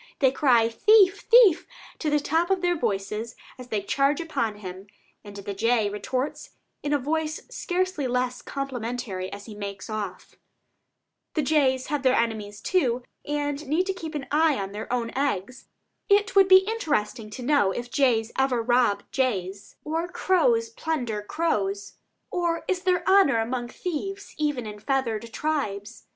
They cry "Thief, thief!" to the top of their voices as they charge upon him, and the jay retorts in a voice scarcely less complimentary as he makes off. The jays have their enemies also, and need to keep an eye on their own eggs. It would be interesting to know if jays ever rob jays, or crows plunder crows; or is there honor among thieves even in the feathered tribes?